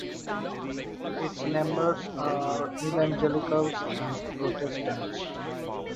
Its members are Evangelicals and Protestants.